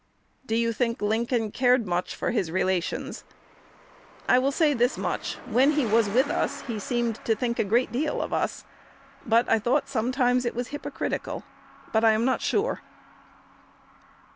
"Do you think Lincoln cared much for his relations?" "I will say this much: when he was with us, he seemed to think a great deal of us; but I thought sometimes it was hypocritical, but I am not sure."